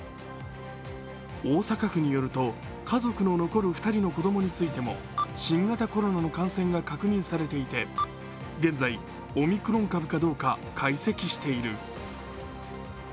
大阪府によると、家族の残る２人の子どもについても新型コロナの感染が確認されていて、現在、オミクロン株かどうか解析している。